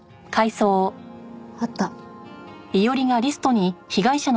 あった。